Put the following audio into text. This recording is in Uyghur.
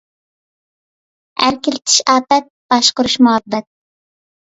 ئەركىلىتىش ئاپەت، باشقۇرۇش مۇھەببەت.